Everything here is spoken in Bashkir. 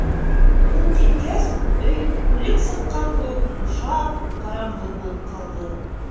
- Ул киткәс, өй, үлек сыҡҡан кеүек, бушап, ҡараңғы булып ҡалды.